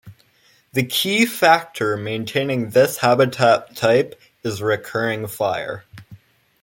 The key factor maintaining this habitat type is recurring fire.